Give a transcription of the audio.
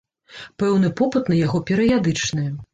Пэўны попыт на яго перыядычны.